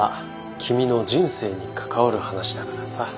君の人生に関わる話だからさ。